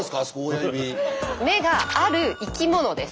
目がある生き物です。